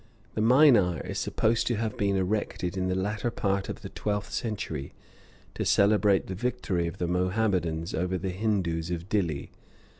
The minar is supposed to have been erected in the latter part of the twelfth century to celebrate the victory of the Mohammedans over the Hindoos of Dilli.